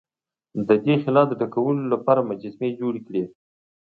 د دې خلا د ډکولو لپاره مجسمې جوړې کړې.